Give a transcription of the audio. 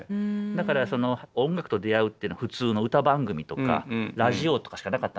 だからその音楽と出会うってのは普通の歌番組とかラジオとかしかなかったんですよ。